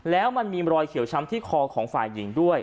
แล้วมันมีรอยเขียวช้ำที่คอของฝ่ายหญิงด้วย